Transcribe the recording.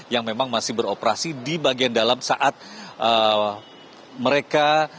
yang memang masih beroperasi di bagian dalam saat mereka